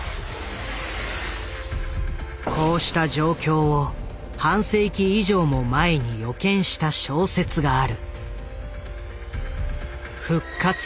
こうした状況を半世紀以上も前に予見した小説がある。